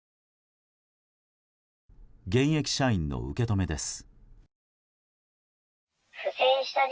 現役社員の受け止めです。